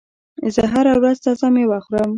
زه هره ورځ تازه مېوه خورم.